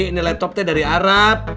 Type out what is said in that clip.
ini laptopnya dari arab